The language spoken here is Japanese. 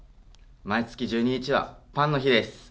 毎月１２日はパンの日です。